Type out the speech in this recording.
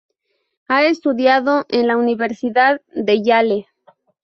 Ha estudiado en la Universidad de Yale.